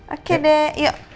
oke deh yuk